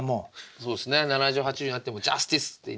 そうですね７０８０になっても「ジャスティス！」って言いながらも。